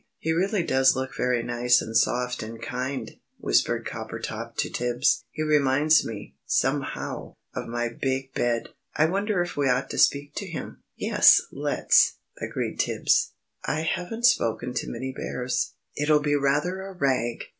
"He really does look very nice and soft and kind," whispered Coppertop to Tibbs, "he reminds me, somehow, of my big bed. I wonder if we ought to speak to him." "Yes, let's," agreed Tibbs. "I haven't spoken to many bears it'll be rather a rag!"